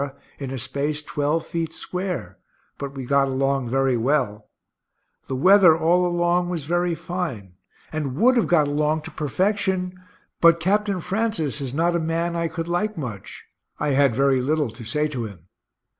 in a space twelve feet square, but we got along very well the weather all along was very fine and would have got along to perfection, but Capt. Francis is not a man I could like much I had very little to say to him.